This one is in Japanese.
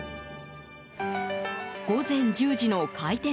午前１０時の開店